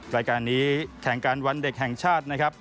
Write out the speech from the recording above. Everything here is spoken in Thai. รายการนี้แข่งกันวันเด็กแห่งชาตินะครับ